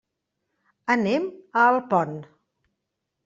Anem a Alpont.